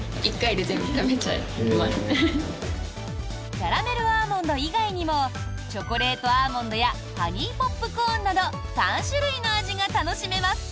キャラメルアーモンド以外にもチョコレートアーモンドやハニーポップコーンなど３種類の味が楽しめます。